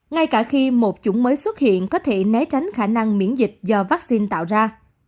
ngay cả khi một chủng mới xuất hiện có thể né tránh khả năng miễn dịch do vaccine tạo ra